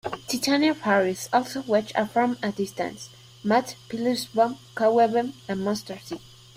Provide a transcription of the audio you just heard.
Titania's Fairies also watch from a distance: Moth, Peaseblossom, Cobweb and Mustardseed.